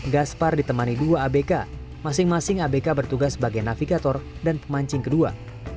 gaspar ditemani dua abk masing masing abk bertugas sebagai navigator dan pemancing kedua